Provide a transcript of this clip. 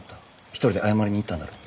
一人で謝りに行ったんだろ？